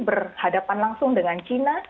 berhadapan langsung dengan china